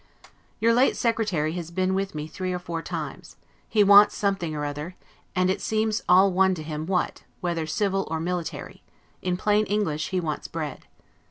Your late secretary has been with me three or four times; he wants something or another, and it seems all one to him what, whether civil or military; in plain English, he wants bread.